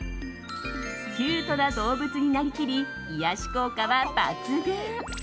キュートな動物になりきり癒やし効果は抜群。